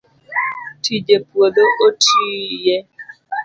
tije puodho otiye